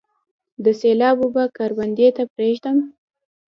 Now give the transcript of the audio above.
د سیلاب اوبه کروندې ته پریږدم؟